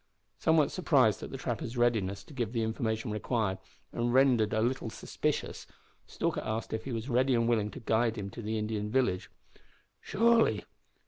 Somewhat surprised at the trapper's readiness to give the information required, and rendered a little suspicious, Stalker asked if he was ready and willing to guide him to the Indian village. "Surely.